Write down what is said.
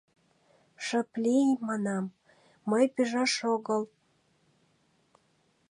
— Шып лий, — манам, — мый пижаш огыл...